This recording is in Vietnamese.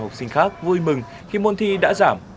học sinh khác vui mừng khi môn thi đã giảm